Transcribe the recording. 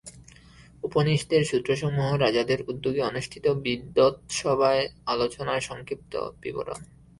উপনিষদের সূত্রসমূহ রাজাদের উদ্যোগে অনুষ্ঠিত বিদ্বৎসভায় আলোচনার সংক্ষিপ্ত বিবরণ।